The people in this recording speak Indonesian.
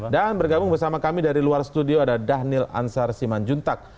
dan bergabung bersama kami dari luar studio ada dhanil ansar siman juntak